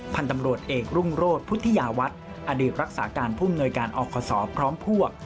พันธุ์ตำรวจเอกรุ่งโรธพุทธยาวัฒน์อดีตรักษาการผู้มนวยการอคศพร้อมพวก